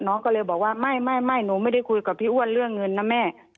น้องก็เลยบอกว่าไม่หนูไม่ได้คุยกับพี่อ้วนเรื่องเงินนะแม่